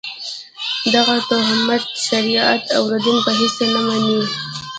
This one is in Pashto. دغه توهمات شریعت او دین په هېڅ نه مني.